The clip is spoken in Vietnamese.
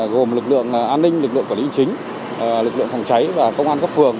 gồm lực lượng an ninh lực lượng quản lý chính lực lượng phòng cháy và công an các phường